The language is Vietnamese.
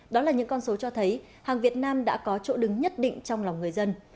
đó là những con số cho thấy hàng việt nam đã có chỗ đứng nhất định trong lòng người dân